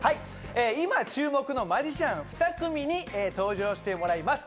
今注目のマジシャン２組に登場してもらいます。